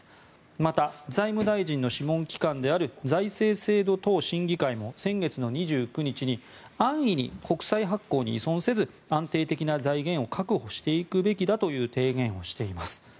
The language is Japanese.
また財務省の機関である財政制度等審議会の先月２９日に安易に国債発行に依存せず安定的な財源を確保していくべきだという提言をしています。